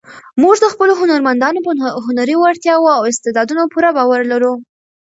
موږ د خپلو هنرمندانو په هنري وړتیاوو او استعدادونو پوره باور لرو.